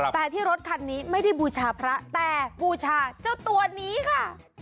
แต่ที่รถคันนี้ไม่ได้บูชาพระแต่บูชาเจ้าตัวนี้ค่ะ